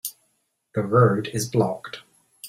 The road is blocked.